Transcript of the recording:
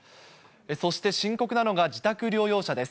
そして深刻なのが自宅療養者です。